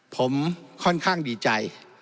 ผมค่อนข้างดีใจ